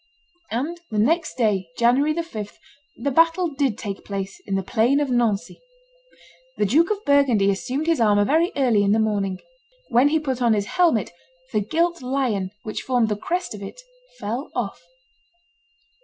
And the next day, January the 5th, the battle did take place, in the plain of Nancy. The Duke of Burgundy assumed his armor very early in the morning. When he put on his helmet, the gilt lion, which formed the crest of it, fell off.